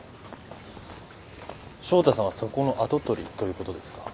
翔太さんはそこの跡取りという事ですか？